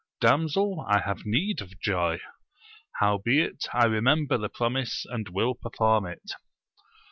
Damsel, I have need of joy ; howbeit I remember the promise, and will perform it.